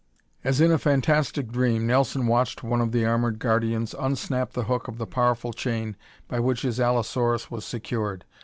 As in a fantastic dream Nelson watched one of the armored guardians unsnap the hook of the powerful chain by which his allosaurus was secured.